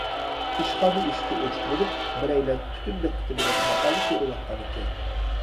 ئىشخانا ئىشىكى ئوچۇق بولۇپ، بىرەيلەن پۈتۈن دىققىتى بىلەن ماقالە كۆرۈۋاتقان ئىكەن.